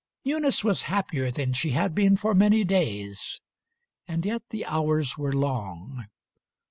XXVIII Eunice was happier than she had been For many days, and yet the hours were long.